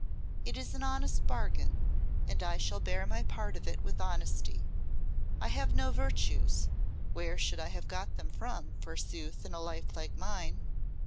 It is an honest bargain, and I shall bear my part of it with honesty. I have no virtues where should I have got them from, forsooth, in a life like mine?